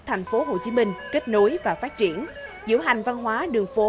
thành phố hồ chí minh kết nối và phát triển diễu hành văn hóa đường phố